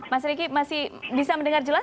mas riki masih bisa mendengar jelas